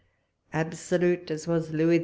Absolute as was Louis XI.